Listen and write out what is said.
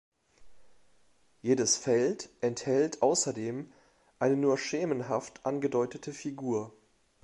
Jedes Feld enthält außerdem eine nur schemenhaft angedeutete Figur.